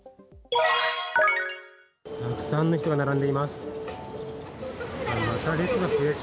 たくさんの人が並んでいます。